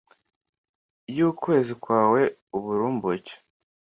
yu kwezi kwawe uburumbuke,